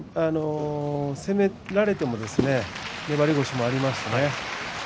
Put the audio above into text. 攻められても粘り腰もありますね。